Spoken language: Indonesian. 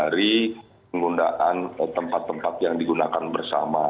dari penggunaan tempat tempat yang digunakan bersama